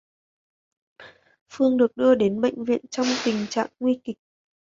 Phương được đưa đến bệnh viện trong tình trạng nguy kịch